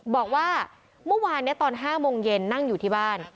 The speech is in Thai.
บอกว่าเมื่อวานนี้ตอน๕โมงเย็นนั่งอยู่ที่บ้าน